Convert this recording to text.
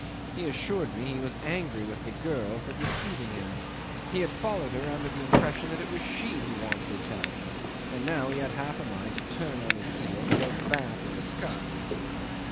He assured me he was angry with the girl for deceiving him. He had followed her under the impression that it was she who wanted his help, and now he had half a mind to turn on his heel and go back in disgust.